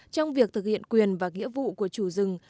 trong việc thực hiện quyền và nghĩa vụ của chủ rừng